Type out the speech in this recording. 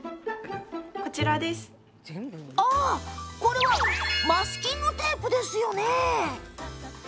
あ、これはマスキングテープですよね。